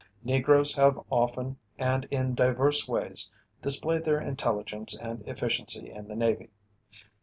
Negroes have often and in divers ways displayed their intelligence and efficiency in the Navy.